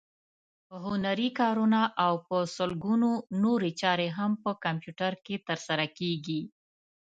هنري کارونه او په سلګونو نورې چارې هم په کمپیوټر کې ترسره کېږي.